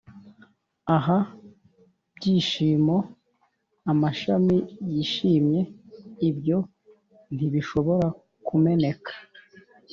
ah, byishimo, amashami yishimye! ibyo ntibishobora kumeneka